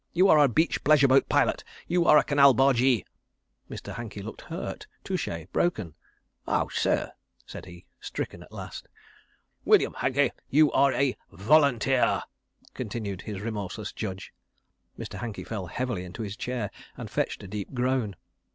You are a beach pleasure boat pilot. You are a canal bargee." Mr. Hankey looked hurt, touché, broken. "Oh, sir!" said he, stricken at last. "William Hankey, you are a volunteer," continued his remorseless judge. Mr. Hankey fell heavily into his chair, and fetched a deep groan.